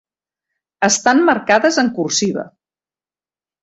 Estan marcades en cursiva.